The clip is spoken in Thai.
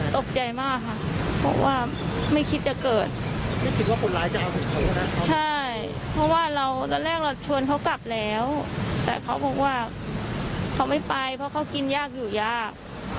ตกใจมากค่ะเพราะว่าไม่คิดจะเกิดไม่คิดว่าคนร้ายจะเอาไปกินใช่เพราะว่าเราตอนแรกเราชวนเขากลับแล้วแต่เขาบอกว่าเขาไม่ไปเพราะเขากินยากอยู่ยาก